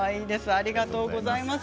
ありがとうございます。